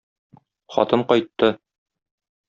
Хатын кайтты.